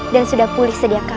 dan sudah pulih sediakala